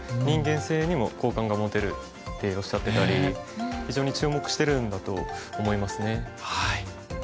「人間性にも好感が持てる」っておっしゃってたり非常に注目してるんだと思いますね。